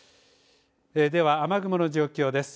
では、雨雲の状況です。